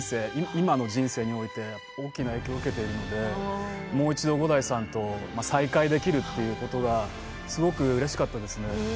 今の人生において大きな影響を受けているのでもう一度、五代さんと再会できるということがすごくうれしかったですね。